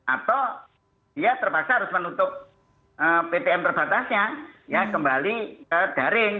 atau dia terpaksa harus menutup ptm terbatasnya ya kembali ke daring